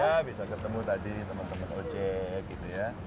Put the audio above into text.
ya bisa ketemu tadi temen temen oj gitu ya